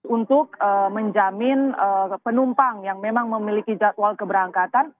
untuk menjamin penumpang yang memang memiliki jadwal keberangkatan